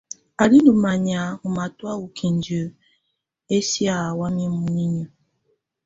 Á lɛ̀ ndù manyà ù matɔ̀́á u kindiǝ ɛsɛ̀á wayɛ̀á muninyǝ́.